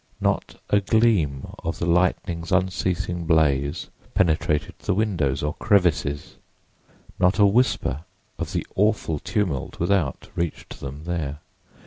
Not a gleam of the lightning's unceasing blaze penetrated the windows or crevices; not a whisper of the awful tumult without reached them there.